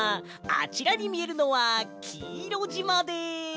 あちらにみえるのはきいろじまです！